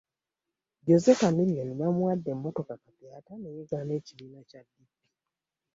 Jose Chameleon bamuwadde emmotoka kapyata ne yeegaana ekibiina Kya DP.